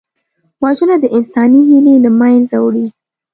وژنه د انساني هیلې له منځه وړي